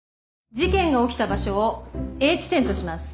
事件が起きた場所をＡ地点とします。